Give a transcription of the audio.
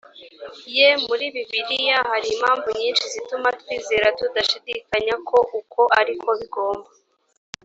ye muri bibiliya hari impamvu nyinshi zituma twizera tudashidikanya ko uko ari ko bigomba